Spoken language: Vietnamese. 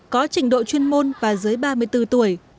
có trình độ chuyên môn và dưới ba mươi bốn tuổi